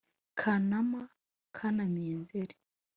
kanama kanamiye nzeri